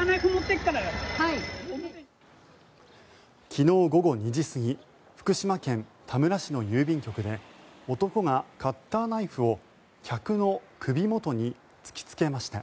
昨日午後２時過ぎ福島県田村市の郵便局で男がカッターナイフを客の首元に突きつけました。